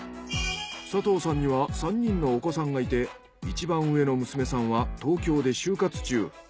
佐藤さんには３人のお子さんがいていちばん上の娘さんは東京で就活中。